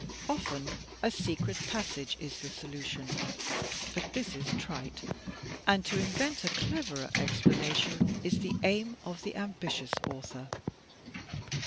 Often a secret passage is the solution, but this is trite; and to invent a cleverer explanation is the aim of the ambitious author.